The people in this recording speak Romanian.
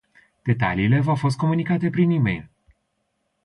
Detaliile v-au fost comunicate prin e-mail.